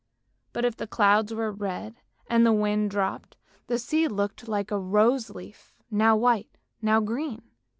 But if the clouds were red and the wind dropped, the sea looked like a rose leaf, now white, now green.